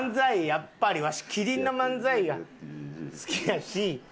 やっぱりわし麒麟の漫才が好きやし。